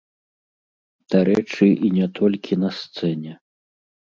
Дарэчы, і не толькі на сцэне.